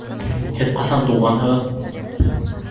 Һеҙ ҡасан тыуғанһығыҙ?